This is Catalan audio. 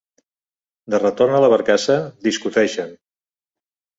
De retorn a la barcassa, discuteixen.